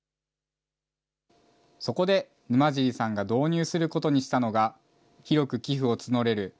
そこで、沼尻さんが導入することにしたのが、広く寄付を募れる